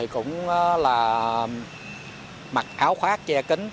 cũng là mặc áo khoác che kính